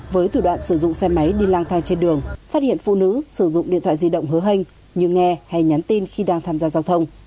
với thủ đoạn sử dụng xe máy đi lang thang trên đường phát hiện phụ nữ sử dụng điện thoại di động hứa hênh như nghe hay nhắn tin khi đang tham gia giao thông